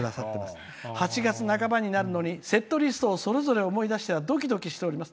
８月半ばになるのにセットリストをそれぞれ思い出してはドキドキしております。